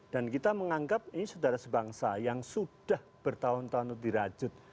dan kita menganggap ini saudara sebangsa yang sudah bertahun tahun dirajut